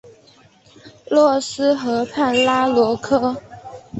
洛斯河畔拉罗科。